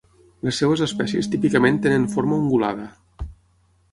Les seves espècies típicament tenen forma ungulada.